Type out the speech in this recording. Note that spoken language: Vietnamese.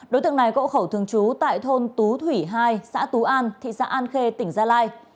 đối tượng này có hộ khẩu thường trú tại thôn tú thủy hai xã tú an thị xã an khê tỉnh gia lai